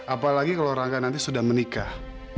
apalagi kalo rangga nanti sudah menikah